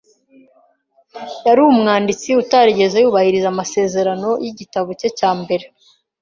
Yari umwanditsi utarigeze yubahiriza amasezerano yigitabo cye cya mbere.